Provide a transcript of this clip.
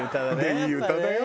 いい歌だよ